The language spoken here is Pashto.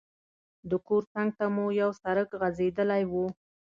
د کور څنګ ته مو یو سړک غځېدلی وو.